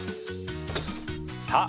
さあ